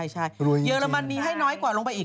ใช่เยอรมนีให้น้อยกว่าลงไปอีก